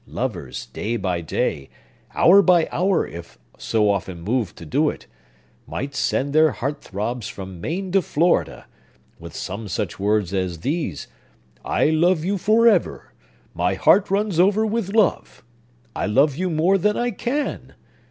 Lovers, day by day—hour by hour, if so often moved to do it,—might send their heart throbs from Maine to Florida, with some such words as these 'I love you forever!'—'My heart runs over with love!'—'I love you more than I can!